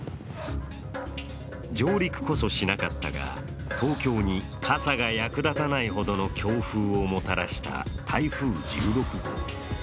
上陸こそしなかったが東京に傘が役立たないほどの強風をもたらした台風１６号。